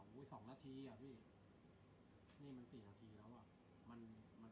โปรดติดตามต่อไป